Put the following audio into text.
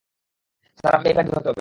Sir, আমাকে এই flight ধরতে হবে।